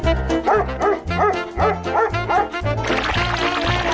โปรดติดตามตอนต่อไป